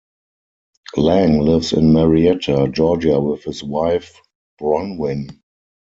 Lang lives in Marietta, Georgia with his wife, Bronwyn.